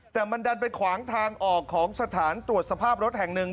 แต่มันดันไปขวางทางออกของสถานตรวจสภาพรถแห่งหนึ่ง